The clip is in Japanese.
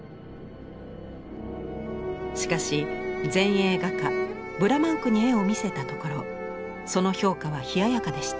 しかし前衛画家ヴラマンクに絵を見せたところその評価は冷ややかでした。